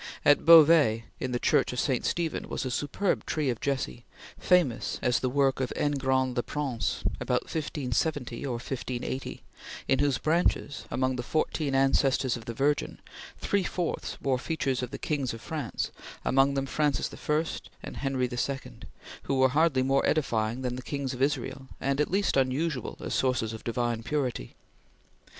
At Beauvais in the Church of St. Stephen was a superb tree of Jesse, famous as the work of Engrand le Prince, about 1570 or 1580, in whose branches, among the fourteen ancestors of the Virgin, three fourths bore features of the Kings of France, among them Francis I and Henry II, who were hardly more edifying than Kings of Israel, and at least unusual as sources of divine purity.